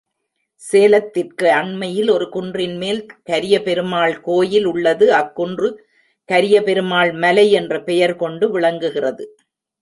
சேலத்திற்கு அண்மையில் ஒரு குன்றின்மேல் கரியபெருமாள் கோயில் உள்ளது, அக்குன்று கரியபெருமாள் மலை என்ற பெயர் கொண்டு விளங்குகிறது.